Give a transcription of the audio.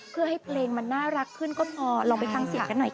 เพื่อให้เพลงมันน่ารักขึ้นก็พอลองไปฟังเสียงกันหน่อยค่ะ